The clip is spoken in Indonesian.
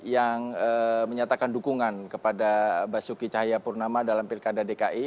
yang menyatakan dukungan kepada basuki cahayapurnama dalam pilkada dki